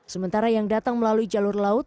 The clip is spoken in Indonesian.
sementara yang datang melalui jalur laut